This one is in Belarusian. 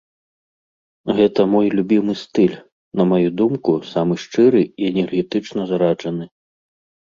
Гэта мой любімы стыль, на маю думку, самы шчыры і энергетычна зараджаны.